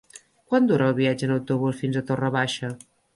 Quant dura el viatge en autobús fins a Torre Baixa?